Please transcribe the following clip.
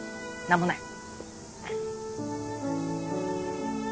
何もない。